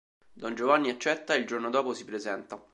Don Giovanni accetta e il giorno dopo si presenta.